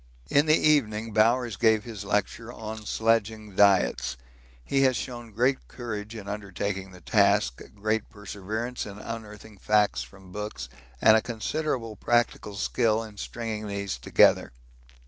In the evening Bowers gave his lecture on sledging diets. He has shown great courage in undertaking the task, great perseverance in unearthing facts from books, and a considerable practical skill in stringing these together.